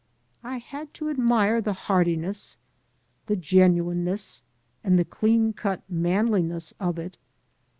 I had to admire the heartiness, the genuineness, and the clean <3ut manli ness of it.